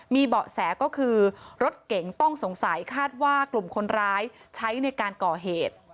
มีเบาะแสก็คือรถเก๋งต้องสงสัยคาดว่ากลุ่มคนร้ายใช้ในการก่อเหตุ